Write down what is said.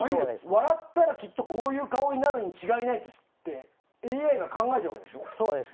笑ったら、きっとこういう顔になるに違いないってＡＩが考えているわけでしょ。